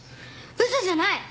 嘘じゃない！